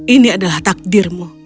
ini adalah takdirmu